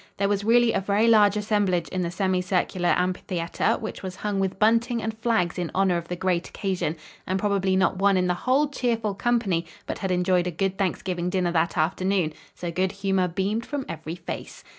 There was really a very large assemblage in the semicircular ampitheater which was hung with bunting and flags in honor of the great occasion, and probably not one in the whole cheerful company but had enjoyed a good Thanksgiving dinner that afternoon, so good humor beamed from every face.